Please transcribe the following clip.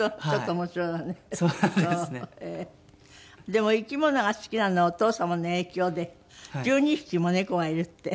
でも生き物が好きなのはお父様の影響で１２匹も猫がいるって？